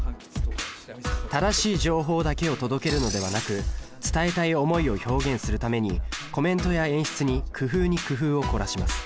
正しい情報だけを届けるのではなく伝えたい思いを表現するためにコメントや演出に工夫に工夫を凝らします